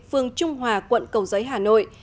phường trung hòa quận cầu giấy hà nội